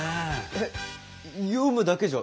えっ読むだけじゃ！？